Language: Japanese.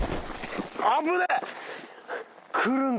危ねえ！